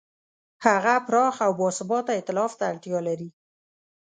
هغه پراخ او باثباته ایتلاف ته اړتیا لري.